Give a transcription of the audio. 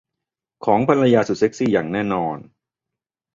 ของภรรยาสุดเซ็กซี่อย่างแน่นอน